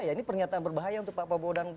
ini pernyataan berbahaya untuk pak bobo dan dp